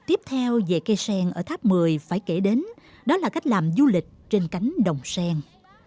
tiếp theo về cây sen ở tháp một mươi phải kể đến đó là cách làm du lịch trên cánh đồng sen